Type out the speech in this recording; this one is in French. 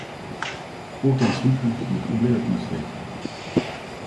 Aucun souffle ne troublait l’atmosphère.